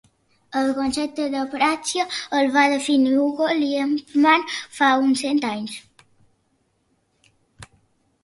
El concepte d'apràxia el va definir Hugo Liepmann fa uns cent anys.